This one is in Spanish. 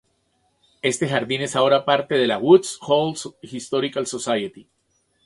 Este jardín es ahora parte de la "Woods Hole Historical Society".